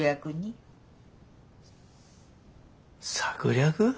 策略。